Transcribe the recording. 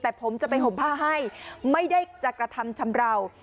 แต่ผมจะไปห่มผ้าให้ไม่ได้จะกระทำชำราว